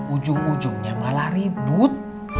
ujung ujungnya malah ribut